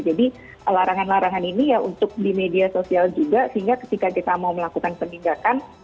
jadi larangan larangan ini ya untuk di media sosial juga sehingga ketika kita mau melakukan pemindakan